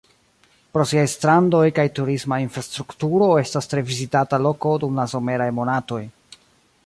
Pro siaj strandoj kaj turisma infrastrukturo estas tre vizitata loko dum la someraj monatoj.